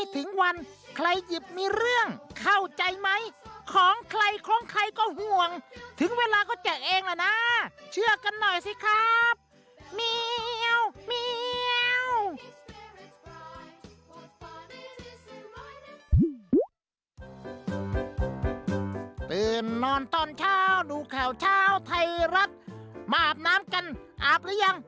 ตื่นนอนตอนเช้าดูข่าวเช้าไทยรัฐมาอาบน้ำกันอาบหรือยัง